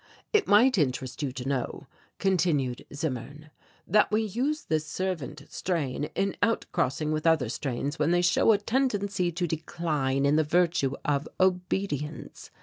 "It might interest you to know," continued Zimmern, "that we use this servant strain in outcrossing with other strains when they show a tendency to decline in the virtue of obedience.